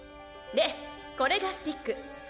でこれがスティック。